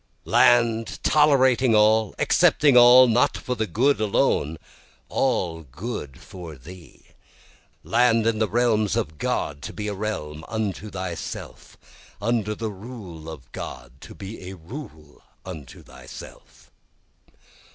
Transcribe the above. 6 Land tolerating all, accepting all, not for the good alone, all good for thee, Land in the realms of God to be a realm unto thyself, Under the rule of God to be a rule unto thyself.